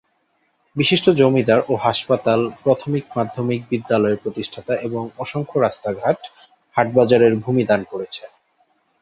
বিশিষ্ট জমিদার ও হাসপাতাল, প্রথমিক-মাধ্যমিক বিদ্যালয়ের প্রতিষ্ঠাতা এবং অসংখ্য রাস্তাঘাঁট, হাটবাজারের ভূমি দান করেছেন।